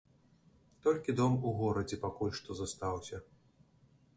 Толькі дом у горадзе пакуль што застаўся.